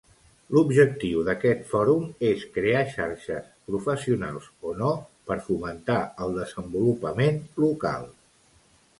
L'objectiu d'aquest fòrum és crear xarxes, professionals o no, per fomentar el desenvolupament local.